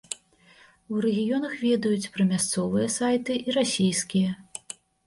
У рэгіёнах ведаюць пра мясцовыя сайты і расійскія.